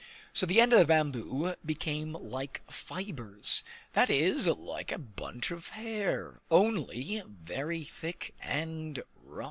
So the end of the bamboo became like fibers, that is, like a bunch of hair, only very thick and rough.